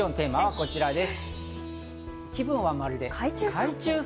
こちらです。